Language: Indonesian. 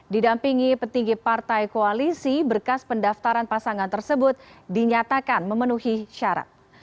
didampingi petinggi partai koalisi berkas pendaftaran pasangan tersebut dinyatakan memenuhi syarat